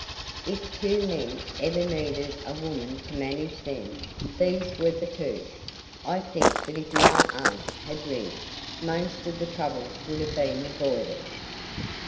If two men ever needed a woman to manage them, these were the two. I think that if my aunt had lived, most of the trouble would have been avoided.